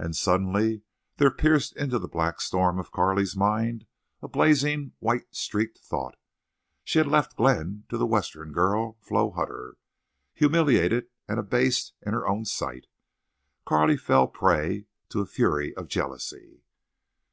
And suddenly there pierced into the black storm of Carley's mind a blazing, white streaked thought—she had left Glenn to the Western girl, Flo Hutter. Humiliated, and abased in her own sight, Carley fell prey to a fury of jealousy.